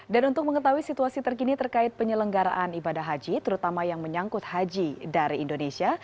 dan untuk mengetahui situasi terkini terkait penyelenggaraan ibadah haji terutama yang menyangkut haji dari indonesia